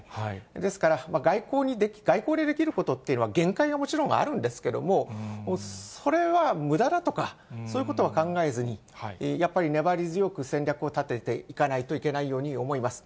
ですから、外交でできることというのは、限界はもちろんあるんですけれども、それはむだだとか、そういうことは考えずに、やっぱり粘り強く戦略を立てていかないといけないように思います。